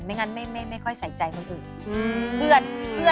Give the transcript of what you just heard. งั้นไม่ค่อยใส่ใจคนอื่น